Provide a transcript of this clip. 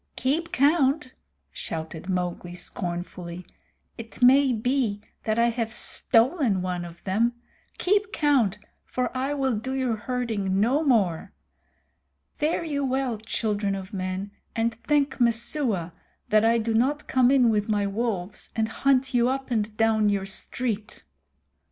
"Keep count!" shouted Mowgli scornfully. "It may be that I have stolen one of them. Keep count, for I will do your herding no more. Fare you well, children of men, and thank Messua that I do not come in with my wolves and hunt you up and down your street."